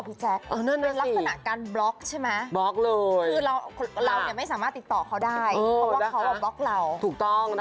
เปลี่ยนไอจีหนีไปเลย